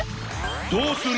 どうする？